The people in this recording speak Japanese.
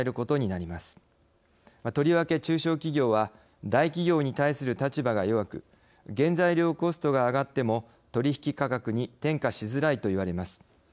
とりわけ中小企業は大企業に対する立場が弱く原材料コストが上がっても取り引き価格に転嫁しづらいといわれます。